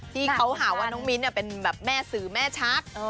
ที่เขาหาว่าน้องมิ้นเป็นแบบแม่สื่อแม่ชัก